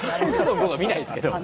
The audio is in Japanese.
見ないですけど。